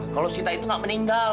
kalau sita itu nggak meninggal